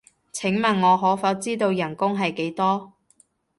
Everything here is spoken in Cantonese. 請問我可否知道人工係幾多？